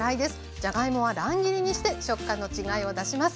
じゃがいもは乱切りにして食感の違いを出します。